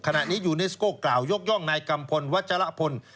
ขณะนี้ยูเนสโก้กล่าวยกย่องนายกัมพลวัชละพล